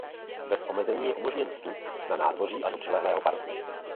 Bez omezení je umožněn vstup na nádvoří a do přilehlého parku.